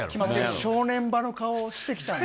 正念場の顔をしてたんで。